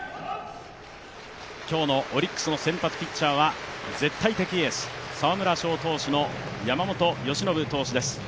今日のオリックスの先発ピッチャーは絶対的エース、沢村賞投手の山本由伸投手です。